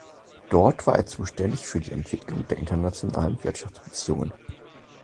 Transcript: Dort war er zuständig für die Entwicklung der internationalen Wirtschaftsbeziehungen.